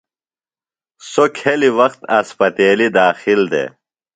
سوۡ کھیۡلیۡ وخت اسپتیلیۡ داخل دےۡ۔